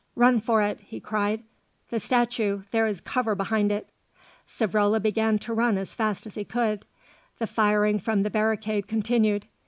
"Run for it!" he cried. "The statue, there is cover behind it." Savrola began to run as fast as he could. The firing from the barricade continued.